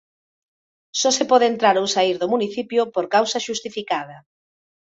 Só se pode entrar ou saír do municipio por causa xustificada.